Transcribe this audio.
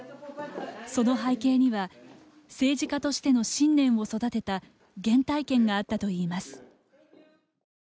その背景には政治家としての信念を育てた原体験があったといいます。